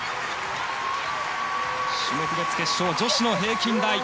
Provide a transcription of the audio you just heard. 種目別決勝女子の平均台。